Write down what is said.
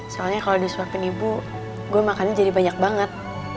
soalnya kalau disuapin ibu gue makannya jadi banyak banget